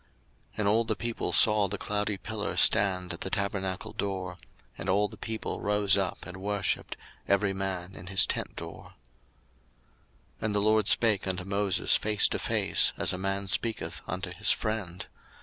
02:033:010 And all the people saw the cloudy pillar stand at the tabernacle door: and all the people rose up and worshipped, every man in his tent door. 02:033:011 And the LORD spake unto Moses face to face, as a man speaketh unto his friend.